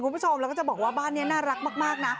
คุณผู้ชมแล้วก็จะบอกว่าบ้านนี้น่ารักมากนะ